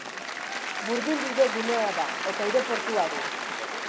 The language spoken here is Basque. Burdinbide gunea da eta aireportua du.